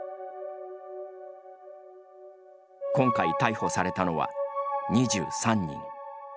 今回逮捕されたのは２３人。